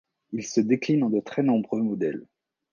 Il se décline en de très nombreux modèles.